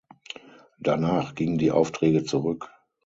Danach gingen die Aufträge zurück.